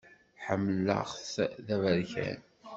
Ḥemmleɣ-t d aberkan.